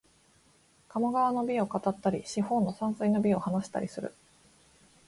鴨川の美を語ったり、四方の山水の美を話したりする